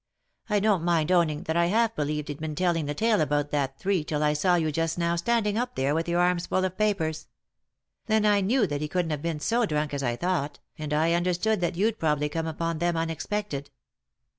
I don't mind owning that I half believed he'd been telling the tale about that tree till I saw you just now standing up there with your arms full of papers. Then I knew that he couldn't have been so drunk as I thought, and I understood that you'd probably come upon them unexpected."